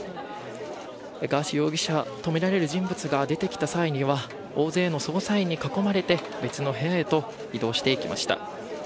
ガーシー容疑者とみられる人物が出てきた際には大勢の捜査員に囲まれて別の部屋へと移動していきました。